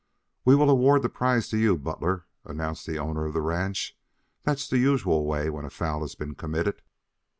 "We will award the prize to you, Butler," announced the owner of the ranch. "That's the usual way when a foul has been committed."